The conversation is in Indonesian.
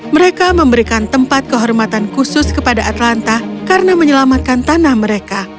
mereka memberikan tempat kehormatan khusus kepada atlanta karena menyelamatkan tanah mereka